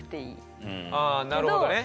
ああなるほどね。